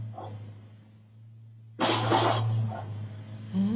うん？